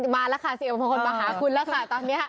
มาแล้วค่ะเสียอมงคลมาหาคุณแล้วค่ะตอนนี้